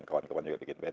kawan kawan juga bikin band